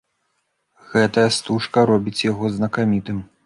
Гэтая стужка робіць яго знакамітым.